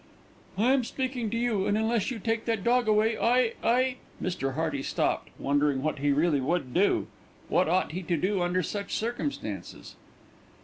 "I am speaking to you, and unless you take that dog away, I I " Mr. Hearty stopped, wondering what he really would do. What ought he to do under such circumstances?